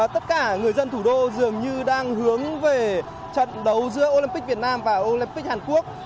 tất cả người dân thủ đô dường như đang hướng về trận đấu giữa olympic việt nam và olympic hàn quốc